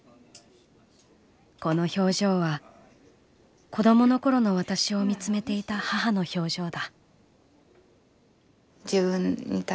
この表情は子供の頃の私を見つめていた母の表情だ」。